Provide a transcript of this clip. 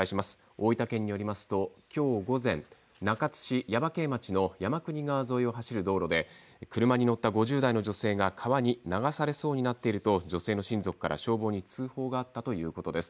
大分県によりますと今日午前、中津市耶馬溪町の山国川沿いを走る道路で車に乗った５０代の女性が川に流されそうになっていると女性の親族から消防に通報があったということです。